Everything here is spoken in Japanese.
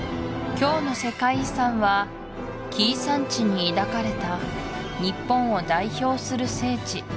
今日の世界遺産は紀伊山地に抱かれた日本を代表する聖地